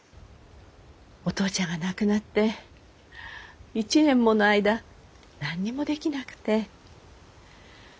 お父ちゃんが亡くなって一年もの間何にもできなくて。